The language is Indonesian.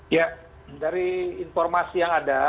ya dari informasi yang ada